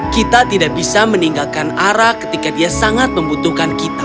kita tidak bisa meninggalkan ara ketika dia sangat membutuhkan kita